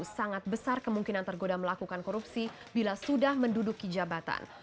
sangat besar kemungkinan tergoda melakukan korupsi bila sudah menduduki jabatan